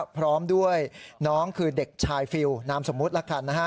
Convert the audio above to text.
พร้อมด้วยน้องคือเด็กชายฟิลนามสมมุติละกันนะฮะ